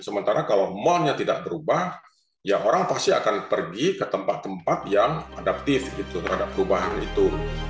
sementara kalau mallnya tidak berubah ya orang pasti akan pergi ke tempat tempat yang adaptif terhadap perubahan itu